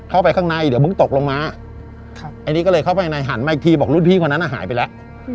เข้าไปข้างในเดี๋ยวมึงตกลงมาไอ้นี่ก็เลยเข้าไปข้างในหันมาอีกทีบอกรุ่นพี่คนนั้นหายไปแล้ว